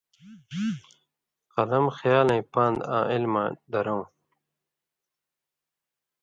قلم خیالَیں پان٘د آں عِلماں درؤں